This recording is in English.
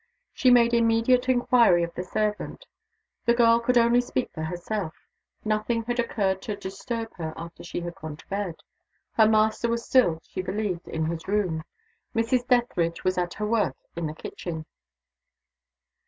She made immediate inquiry of the servant. The girl could only speak for herself. Nothing had occurred to disturb her after she had gone to bed. Her master was still, she believed, in his room. Mrs. Dethridge was at her work in the kitchen.